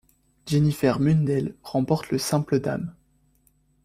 Jennifer Mundel remporte le simple dames.